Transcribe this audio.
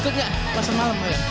ikut gak pasar malam